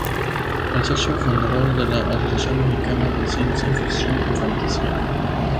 Es socio fundador de la Asociación Mexicana de Ciencia Ficción y Fantasía.